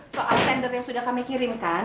soal tender yang sudah kami kirimkan